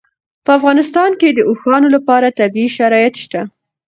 په افغانستان کې د اوښانو لپاره طبیعي شرایط شته.